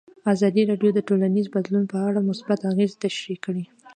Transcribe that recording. ازادي راډیو د ټولنیز بدلون په اړه مثبت اغېزې تشریح کړي.